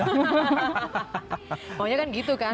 maunya kan gitu kan